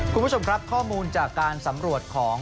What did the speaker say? คุณผู้ชมครับข้อมูลจากการสำรวจของ